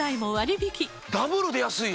ダブルで安いな！